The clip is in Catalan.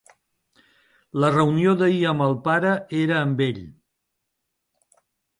La reunió d'ahir amb el pare era amb ell.